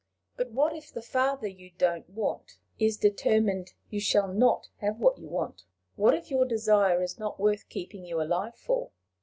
"But what if the father you don't want is determined you shall not have what you do want? What if your desire is not worth keeping you alive for?